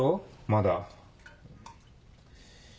まだ。